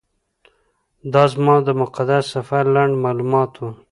دا زما د مقدس سفر لنډ معلومات و.